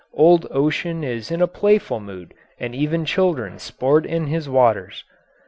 Old Ocean is in a playful mood, and even children sport in his waters.